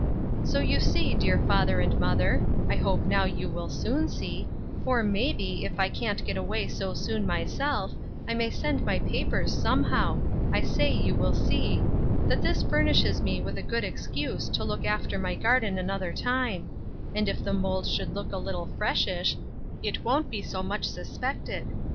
So you see, dear father and mother, (I hope now you will soon see; for, may be, if I can't get away so soon myself, I may send my papers some how; I say you will see,) that this furnishes me with a good excuse to look after my garden another time; and if the mould should look a little freshish, it won't be so much suspected.